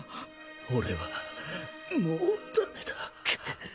俺はもうダメだくっ